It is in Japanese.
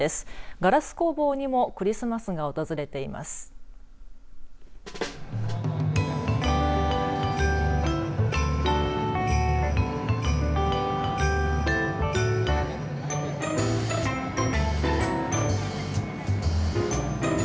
ガラス工房にもクリスマスが訪れています。